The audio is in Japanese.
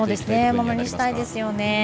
ものにしたいですよね。